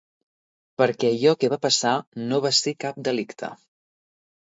Perquè allò que va passar no va ser cap delicte.